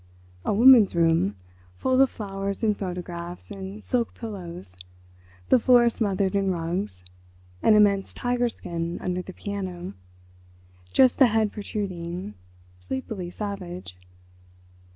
A woman's room—full of flowers and photographs and silk pillows—the floor smothered in rugs—an immense tiger skin under the piano—just the head protruding—sleepily savage.